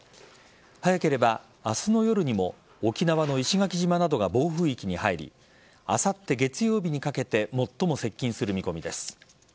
早ければ明日の夜にも沖縄の石垣島などが暴風域に入りあさって月曜日にかけて最も接近する見込みです。